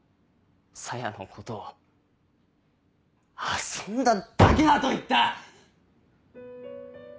沙耶のことを「遊んだだけだ」と言った‼